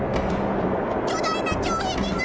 巨大な城壁が！